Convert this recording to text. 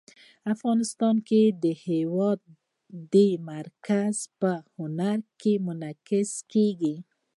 افغانستان کې د هېواد مرکز په هنر کې منعکس کېږي.